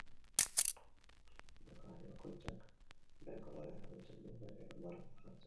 Jokalari bakoitzak bere kolorea erabiltzen du bere marrak jartzeko.